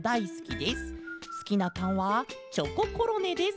すきなパンはチョココロネです。